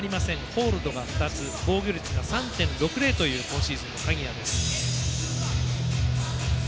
ホールドが２つ防御率が３．６０という今シーズンの鍵谷です。